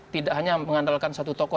tidak hanya mengandalkan satu tokoh